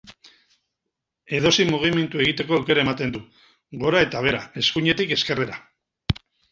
Edozein mugimendu egiteko aukera ematen du, gora eta behera, eskuinetik ezkerrera.